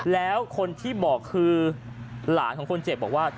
แล้วคนที่บอกคือหลานของคนเจ็บบอกว่า